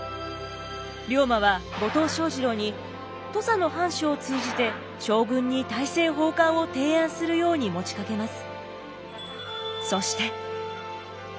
龍馬は後藤象二郎に土佐の藩主を通じて将軍に大政奉還を提案するように持ちかけます。